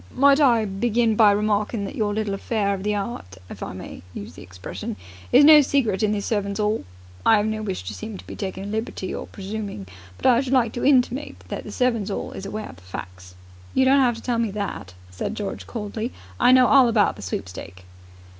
"Might I begin by remarking that your little affair of the 'eart, if I may use the expression, is no secret in the Servants' 'All? I 'ave no wish to seem to be taking a liberty or presuming, but I should like to intimate that the Servants' 'All is aware of the facts." "You don't have to tell me that," said George coldly. "I know all about the sweepstake."